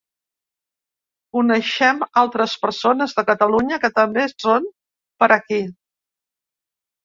Coneixem altres persones de Catalunya que també són per aquí.